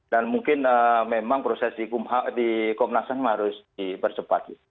dan mungkin memang proses di komnasan harus dipercepat